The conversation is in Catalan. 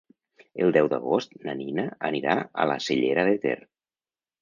El deu d'agost na Nina anirà a la Cellera de Ter.